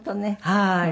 はい。